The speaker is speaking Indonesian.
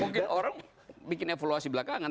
mungkin orang bikin evaluasi belakangan